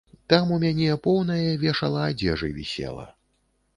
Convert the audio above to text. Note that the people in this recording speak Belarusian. Там у мяне поўнае вешала адзежы вісела.